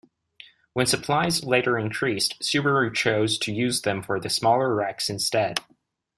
When supplies later increased, Subaru chose to use them for the smaller Rex instead.